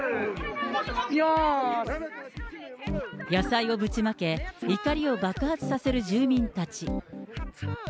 野菜をぶちまけ、怒りを爆発させる住民たち。